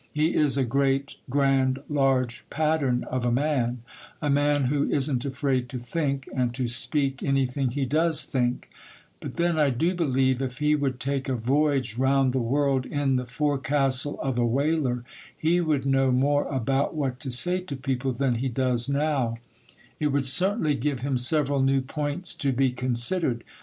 He is a great, grand, large pattern of a man,—a man who isn't afraid to think, and to speak anything he does think; but then I do believe, if he would take a voyage round the world in the forecastle of a whaler, he would know more about what to say to people than he does now; it would certainly give him several new points to be considered.